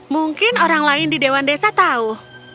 mungkin orang lain di dewan desa tahu